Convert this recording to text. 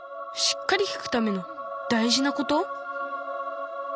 しっかり聞くための大じなこと？